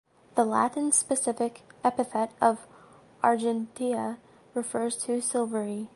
The Latin specific epithet of "argentea" refers to silvery.